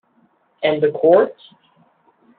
And the courts?